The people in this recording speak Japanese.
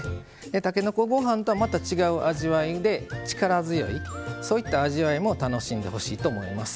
たけのこごはんとはまた違う味わいで力強いそういった味わいも楽しんでほしいと思います。